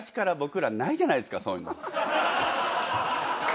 そういうの。